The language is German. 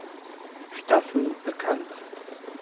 Staffel bekannt.